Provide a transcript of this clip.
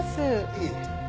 いえ。